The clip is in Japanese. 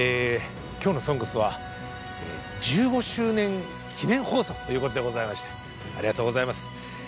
今日の「ＳＯＮＧＳ」は１５周年記念放送ということでございましてありがとうございます。